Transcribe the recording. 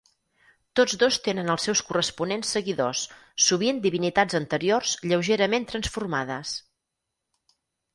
Tots dos tenen els seus corresponents seguidors, sovint divinitats anteriors lleugerament transformades.